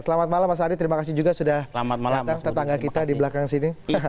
selamat malam mas adi terima kasih juga sudah datang tetangga kita di belakang sini